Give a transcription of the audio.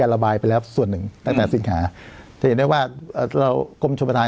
ระบายไปแล้วส่วนหนึ่งตั้งแต่สิงหาจะเห็นได้ว่าเรากรมชมประธาน